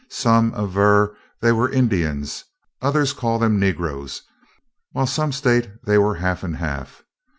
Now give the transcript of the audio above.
Some aver they were Indians, others call them negroes, while some state they were half and half.